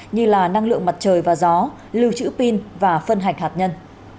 như là năng lượng mặt trời và gió lưu trữ pin và phân hạch hạt nhân